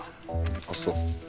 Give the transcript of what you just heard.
あっそう。